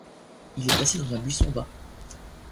Il est placé dans un buisson bas.